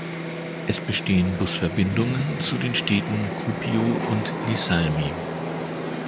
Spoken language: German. Es bestehen Busverbindungen zu den Städten Kuopio und Iisalmi.